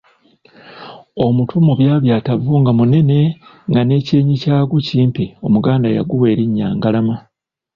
Omutwe omubyabyatavu nga munene nga n’ekyenyi kyagwo kimpi omuganda yaguwa elinnya Ngalama.